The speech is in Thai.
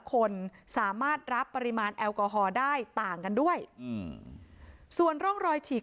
คนสามารถรับปริมาณแอลกอฮอล์ได้ต่างกันด้วยส่วนร่องรอยฉีก